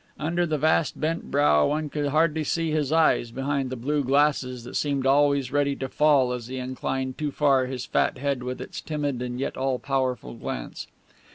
Under the vast bent brow one could hardly see his eyes, behind the blue glasses that seemed always ready to fall as he inclined too far his fat head with its timid and yet all powerful glance.